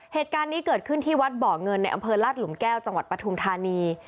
เหตุการณ์นี้เกิดขึ้นที่วัดบ่อเงินในอำเภอลาดหลุมแก้วจังหวัดปฐุมธานี